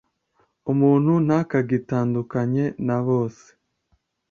umuntu ntakagita ndukanye na bose